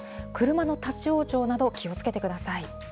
車の立往生など気をつけてください。